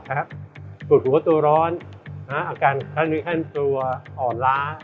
ตรวจหัวตัวร้อนอาการขั้นตัวอ่อนล้า